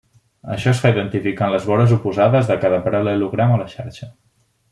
Això es fa identificant les vores oposades de cada paral·lelogram a la xarxa.